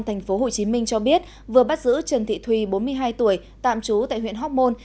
thành phố hồ chí minh cho biết vừa bắt giữ trần thị thùy bốn mươi hai tuổi tạm trú tại huyện hóc môn